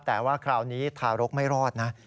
แต่ว่าคราวนี้ทารกไม่รอดนะ